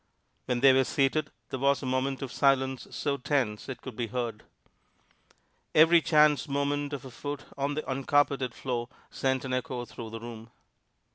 When they were seated, there was a moment of silence so tense it could be heard. Every chance movement of a foot on the uncarpeted floor sent an echo through the room.